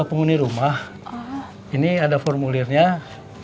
iya seharusnya brus bakal jalan sambil menunda kita